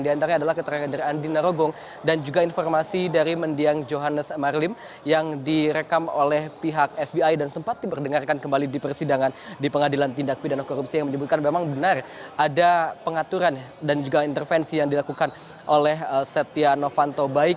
di antara adalah keterangan dari andi narogong dan juga informasi dari mendiang johannes marlim yang direkam oleh pihak fbi dan sempat diperdengarkan kembali di persidangan di pengadilan tindak pidana korupsi yang menyebutkan memang benar ada pengaturan dan juga intervensi yang dilakukan oleh setia novanto baik